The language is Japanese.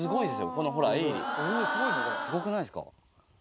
このほら鋭利すごくないですか？